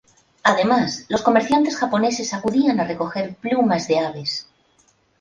Además, los comerciantes japoneses acudían a recoger plumas de aves.